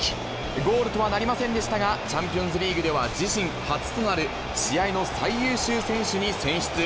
ゴールとはなりませんでしたが、チャンピオンズリーグでは自身初となる試合の最優秀選手に選出。